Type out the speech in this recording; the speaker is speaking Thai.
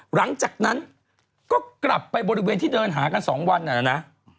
หลังจากนั้นก็กลับไปบริเวณที่เดินหากัน๒วันนะนะ